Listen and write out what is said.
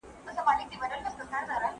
¬ ړوند د خدايه څه غواړي، دوې سترگي.